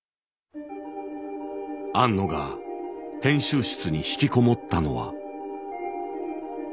庵野が編集室に引きこもったのは。